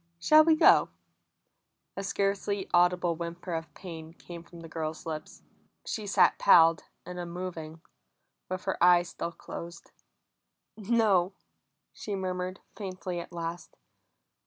Shall we go?" A scarcely audible whimper of pain came from the girl's lips. She sat palled and unmoving, with her eyes still closed. "No," she murmured faintly at last.